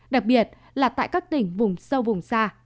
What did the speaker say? đặc biệt là tại các tỉnh vùng sâu vùng xa